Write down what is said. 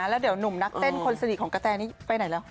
แล้วเดี๋ยวหนุ่มนักเต้นคนสนิทของกะแตนี้ไปไหนแล้ว